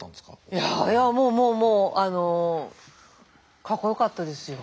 いやいやもうもうもうかっこよかったですよ。